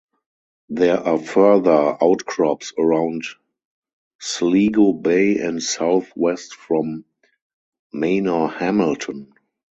There are further outcrops around Sligo Bay and southwest from Manorhamilton.